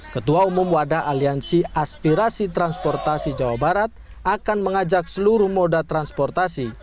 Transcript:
ketua umum wadah aliansi aspirasi transportasi jawa barat akan mengajak seluruh moda transportasi